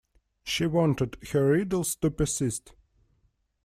She wanted her riddles to persist.